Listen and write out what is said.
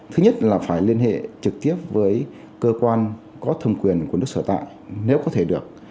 thứ nhất là phải liên hệ trực tiếp với cơ quan có thẩm quyền của nước sở tại nếu có thể được